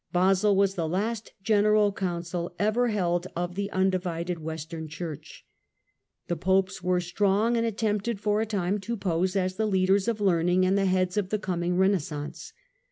Basle was the last General Council ever held of the undivided Western Church. The Popes were strong and attempted for a time to pose as the leaders of learning and the heads of the coming Kenaissance.